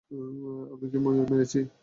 আমি কী ময়ূর মেরেছি?